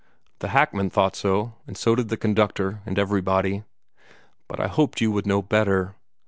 The hackman thought so, and so did the conductor, and everybody. But I hoped you would know better.